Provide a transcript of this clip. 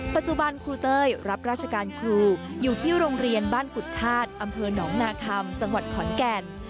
ครูเต้ยรับราชการครูอยู่ที่โรงเรียนบ้านกุฎธาตุอำเภอหนองนาคัมจังหวัดขอนแก่น